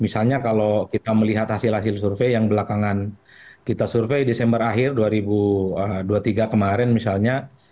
misalnya kalau kita melihat hasil hasil survei yang belakangan kita survei desember akhir dua ribu dua puluh tiga kemarin misalnya